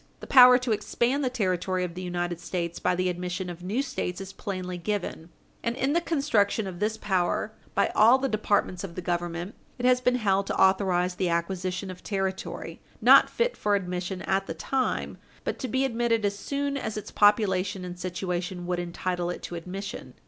The power to expand the territory of the United States by the admission of new States is plainly given, and, in the construction of this power by all the departments of the Government, it has been held to authorize the acquisition of territory not fit for admission at the time, but to be admitted as soon as its population and situation would entitle it to admission.